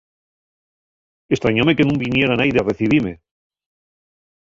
Estrañóme que nun viniera naide a recibime.